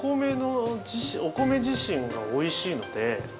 お米自身がおいしいので。